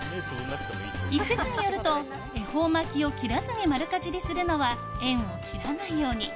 一説によると恵方巻きを切らずに丸かじりするのは縁を切らないように。